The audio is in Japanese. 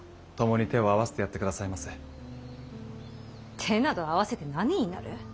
手など合わせて何になる。